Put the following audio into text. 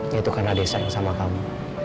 yaitu karena dia sayang sama kamu